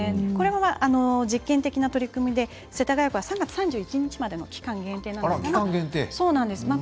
これは実験的な取り組みで世田谷区は３月３１日までの期間限定なんです。